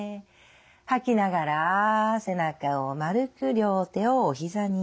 吐きながら背中を丸く両手をおひざに。